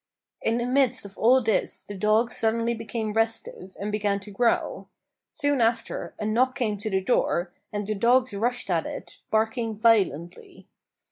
In the midst of all this the dogs suddenly became restive, and began to growl. Soon after, a knock came to the door, and the dogs rushed at it, barking violently.